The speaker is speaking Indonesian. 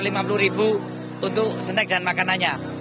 mas ganjar akan menerima lima puluh ribu untuk snek dan makanannya